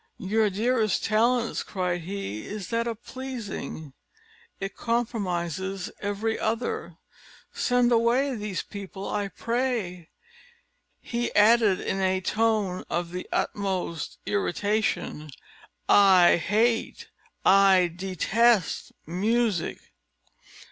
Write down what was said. "Your dearest talent," cried he, "is that of pleasing: it comprises every other. Send away these people, I pray." He added in a tone of the utmost irritation: "I hate I detest music!"